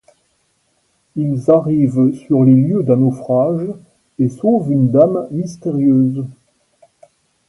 Ils arrivent sur les lieux d'un naufrage et sauvent une dame mystérieuse.